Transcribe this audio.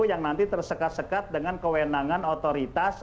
yang nanti tersekat sekat dengan kewenangan otoritas